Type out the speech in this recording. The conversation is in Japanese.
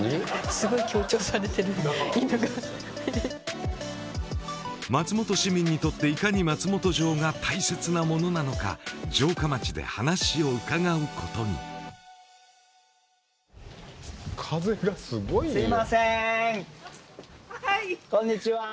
すごい強調されてる犬が松本市民にとっていかに松本城が大切なものなのか城下町で話を伺うことにすいませーんはいこんにちはー